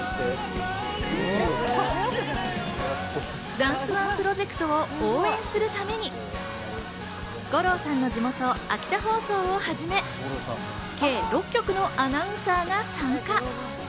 ダンスＯＮＥプロジェクトを応援するために五郎さんの地元、秋田放送をはじめ、計６局のアナウンサーが参加。